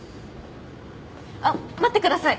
あっ待ってください！